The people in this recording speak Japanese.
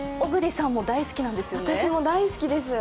私も大好きです。